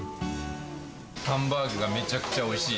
ハンバーグがめちゃくちゃおいしい。